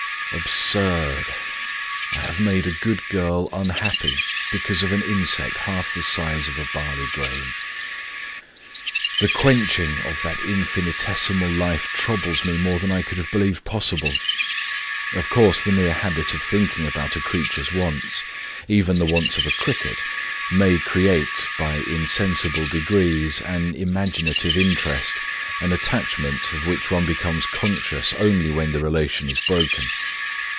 Absurd! ... I have made a good girl un happy because of an insect half the size of a barley grain ! The quenching of that infinitesimal life troubles me more than I could have believed pos sible. ... Of course, the mere habit of think ing about a creature's wants — even the wants of a cricket — may create, by insensible degrees, an imaginative interest, an attachment of which one becomes conscious only when the relation is broken.